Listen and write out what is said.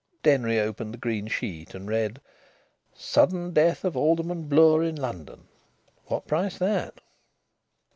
Denry opened the green sheet and read: "'Sudden death of Alderman Bloor in London.' What price that?"